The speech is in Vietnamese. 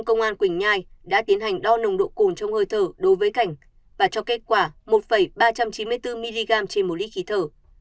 công an quỳnh nhai đã tiến hành đo nồng độ cồn trong hơi thở đối với cảnh và cho kết quả một ba trăm chín mươi bốn mg trên một lít khí thở